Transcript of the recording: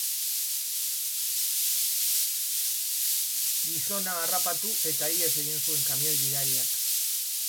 Gizona harrapatu eta ihes egin zuen kamioi-gidariak.